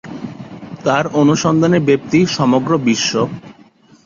তার অনুসন্ধানের ব্যপ্তি সমগ্র বিশ্ব।